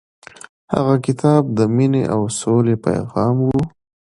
هغه کتاب د مینې او سولې پیغام و.